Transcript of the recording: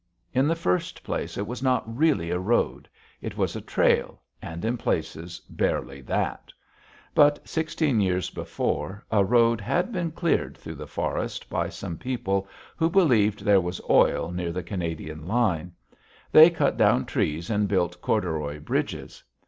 In the first place, it was not really a road. It was a trail, and in places barely that. But, sixteen years before, a road had been cleared through the forest by some people who believed there was oil near the Canadian line. They cut down trees and built corduroy bridges.